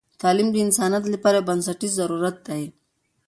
تعلیم د انسانیت لپاره یو بنسټیز ضرورت دی.